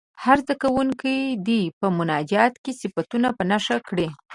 هر زده کوونکی دې په مناجات کې صفتونه په نښه کړي.